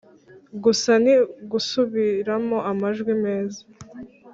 gusa ni ugusubiramo amajwi meza,